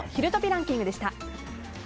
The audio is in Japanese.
ランキングでした。